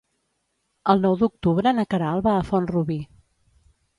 El nou d'octubre na Queralt va a Font-rubí.